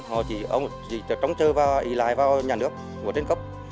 họ chỉ trông chờ và ý lại vào nhà nước của tên cốc